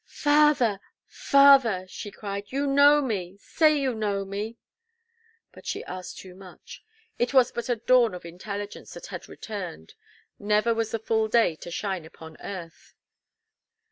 "Father, father," she cried, "you know me, say you know me." But she asked too much, it was but a dawn of intelligence that had returned; never was the full day to shine upon earth.